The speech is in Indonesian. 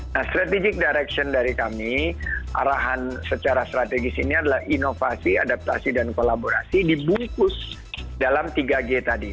nah strategic direction dari kami arahan secara strategis ini adalah inovasi adaptasi dan kolaborasi dibungkus dalam tiga g tadi